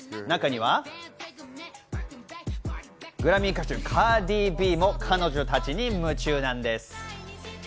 中には、グラミー歌手、カーディ・Ｂも彼女たちに夢中なんです。